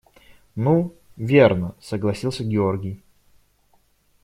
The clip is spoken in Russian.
– Ну, верно, – согласился Георгий.